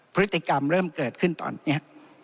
พฤติกรรมเริ่มเกิดขึ้นตอนนี้